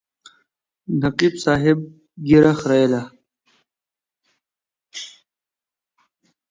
نقیب صاحب ږیره خریله.